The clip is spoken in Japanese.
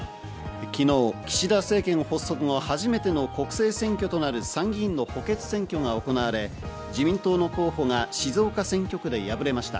昨日、岸田政権発足後、初めての国政選挙となる参議院の補欠選挙が行われ、自民党の候補が静岡選挙区で敗れました。